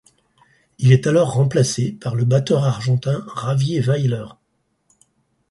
Il est alors remplacé par le batteur argentin Javier Weyler.